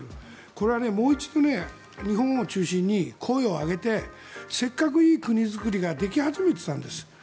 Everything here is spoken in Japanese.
これはもう一度、日本を中心に声を上げてせっかくいい国作りができ始めていたんです。